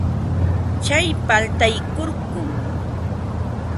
Tsay paltay kurkum.